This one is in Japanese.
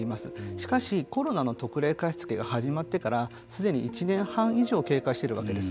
しかしコロナの特例貸付が始まってからすでに１年半以上経過しているわけです。